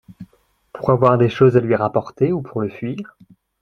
pour avoir des choses à lui rapporter, ou pour le fuir